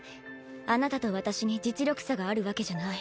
あなたと私に実力差があるわけじゃない。